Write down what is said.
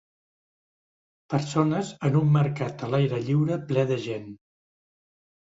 Persones en un mercat a l'aire lliure ple de gent.